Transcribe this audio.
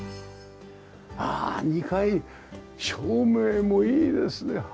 ああ２階照明もいいですね。